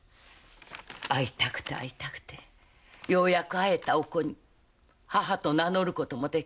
会いたくて会いたくてようやく会えたお子に母と名乗ることもできず。